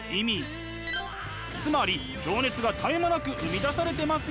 つまり情熱が絶え間なく生み出されてます